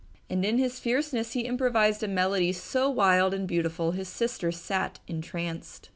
And in his fierceness he improvised a melody so wild and beautiful his sister sat entranced.